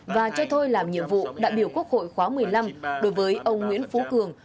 và cho thôi làm nhiệm vụ đại biểu quốc hội khóa một mươi năm đối với ông nguyễn phú cường